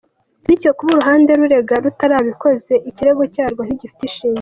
Bityo kuba uruhande rurega rutarabikoze ikirego cyarwo ntigifite ishingiro.